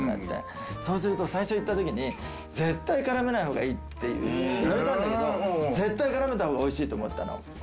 そうすると最初いった時に絶対絡めないほうがいいって言われたんだけど、絶対に絡めた方がおいしいって思ったの。